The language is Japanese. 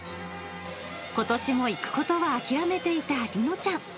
ことしも行くことは諦めていた梨乃ちゃん。